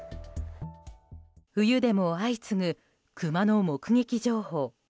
冬でも相次ぐクマの目撃情報。